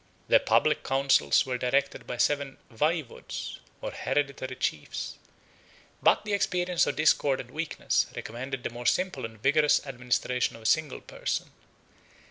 Their public counsels were directed by seven vayvods, or hereditary chiefs; but the experience of discord and weakness recommended the more simple and vigorous administration of a single person.